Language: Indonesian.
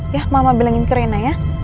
ya mama bilangin ke rena ya